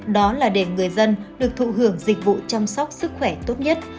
đó là để người dân được thụ hưởng dịch vụ chăm sóc sức khỏe tốt nhất